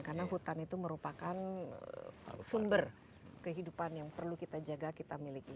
karena hutan itu merupakan sumber kehidupan yang perlu kita jaga kita miliki